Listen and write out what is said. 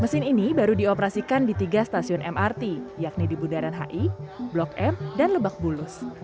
mesin ini baru dioperasikan di tiga stasiun mrt yakni di bundaran hi blok m dan lebak bulus